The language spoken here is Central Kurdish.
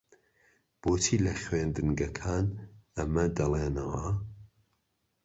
بۆچی لە خوێندنگەکان ئەمە دەڵێنەوە؟